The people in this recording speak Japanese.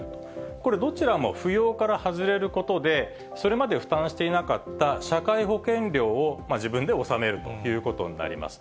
これ、どちらも扶養から外れることで、それまで負担していなかった社会保険料を自分で納めるということになります。